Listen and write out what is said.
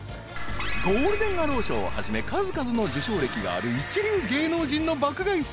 ［ゴールデン・アロー賞をはじめ数々の受賞歴がある一流芸能人の爆買いスターさん］